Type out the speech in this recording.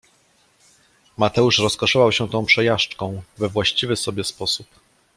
Mateusz rozkoszował się tą przejażdżką we właściwy sobie sposób.